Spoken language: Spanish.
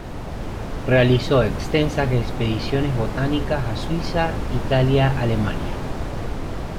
Realizó extensas expediciones botánicas a Suiza, Italia, Alemania.